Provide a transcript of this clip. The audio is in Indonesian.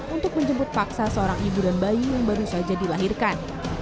untuk menjemput paksa seorang ibu dan bayi yang baru saja dilahirkan